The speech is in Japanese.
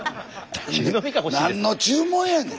何の注文やねん。